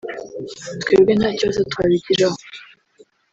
“twebwe nta kibazo twabigiraho